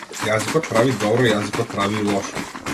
Јазикот прави добро, јазикот прави и лошо.